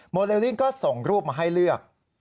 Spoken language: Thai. เลลิ่งก็ส่งรูปมาให้เลือก